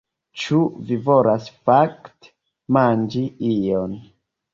Ĉu vi volas fakte manĝi ion?